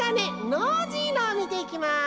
ノージーのをみていきます。